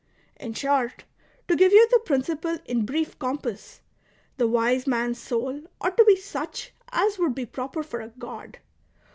In short, to give you the principle in brief compass, the wise man's soul ought to be such as would be proper for a god.